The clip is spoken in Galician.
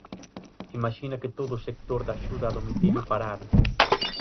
Imaxina que todo o sector da axuda a domicilio parara.